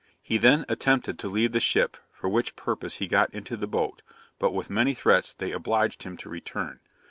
He then attempted to leave the ship, for which purpose he got into the boat; but with many threats they obliged him to return.